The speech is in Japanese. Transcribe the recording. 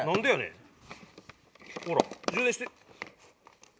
ほら充電してうん？